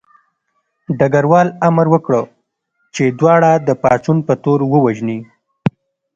ډګروال امر وکړ چې دواړه د پاڅون په تور ووژني